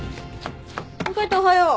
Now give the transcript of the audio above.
海斗おはよう。